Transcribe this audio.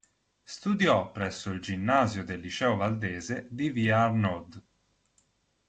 Studiò presso il ginnasio del Liceo valdese di via Arnaud.